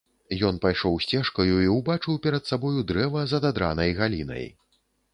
Ён пайшоў сцежкаю і ўбачыў перад сабою дрэва з ададранай галінай.